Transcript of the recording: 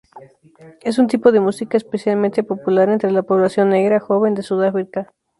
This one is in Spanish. Es un tipo de música especialmente popular entre la población negra joven de Sudáfrica.